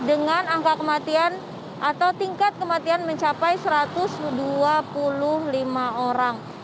dengan angka kematian atau tingkat kematian mencapai satu ratus dua puluh lima orang